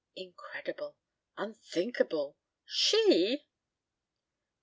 Incredible. Unthinkable. She!